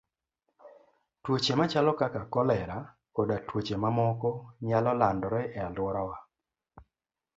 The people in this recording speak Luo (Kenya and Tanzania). Tuoche machalo kaka kolera koda tuoche mamoko, nyalo landore e alworawa.